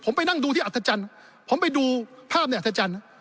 ผมไปนั่งดูที่อัธจันทร์ผมไปดูภาพเนี่ยอัธจันทร์